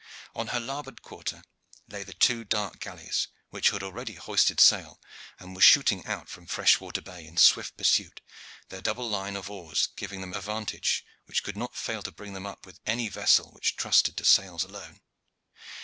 On her larboard quarter lay the two dark galleys, which had already hoisted sail, and were shooting out from Freshwater Bay in swift pursuit, their double line of oars giving them a vantage which could not fail to bring them up with any vessel which trusted to sails alone.